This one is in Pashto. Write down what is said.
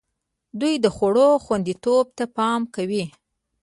دوی د خوړو خوندیتوب ته پام کوي.